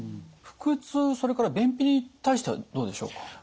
腹痛それから便秘に対してはどうでしょうか？